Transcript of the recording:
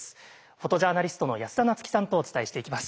フォトジャーナリストの安田菜津紀さんとお伝えしていきます。